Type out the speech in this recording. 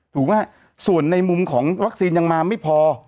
ถูกไหมส่วนในมุมของวัคซีนยังมาไม่พอ